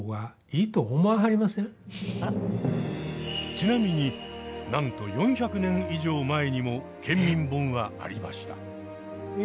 ちなみになんと４００年以上前にも県民本はありました。